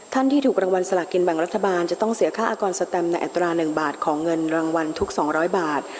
ที่ถูกรางวัลสลากินแบ่งรัฐบาลจะต้องเสียค่าอากรสแตมในอัตรา๑บาทของเงินรางวัลทุก๒๐๐บาท